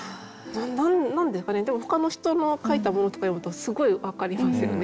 何ですかねでもほかの人の書いたものとか読むとすごいわかりますよね。